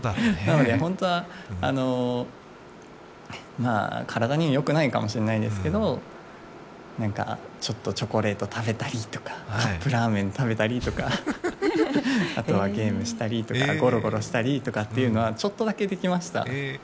なので本当は、体にはよくないかもしれないですけど、ちょっとチョコレート食べたりとか、カップラーメン食べたりとかあとはゲームしたりとか、ゴロゴロしたりとかいうのはちょっとだけできました。